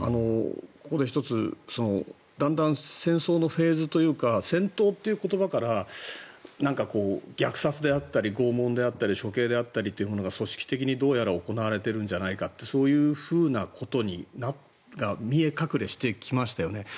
ここで１つだんだん戦争のフェーズというか戦闘という言葉から虐殺であったり拷問であったり処刑であったりというものが組織的にどうやら行われているんじゃないかってそういうことが見え隠れしてきましたよね。